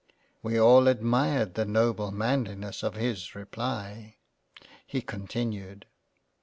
We all admired the noble Manliness of his reply. H continued.